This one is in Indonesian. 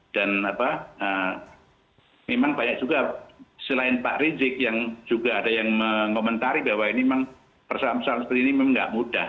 dan memang banyak juga selain pak rizik yang juga ada yang mengomentari bahwa ini memang persoalan persoalan seperti ini memang tidak mudah